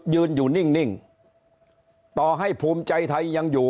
ยืนอยู่นิ่งต่อให้ภูมิใจไทยยังอยู่